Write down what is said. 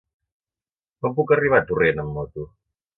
Com puc arribar a Torrent amb moto?